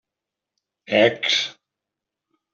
Ecs!